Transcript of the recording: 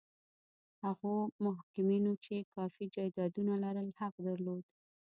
هغو محکومینو چې کافي جایدادونه لرل حق درلود.